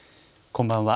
こんばんは。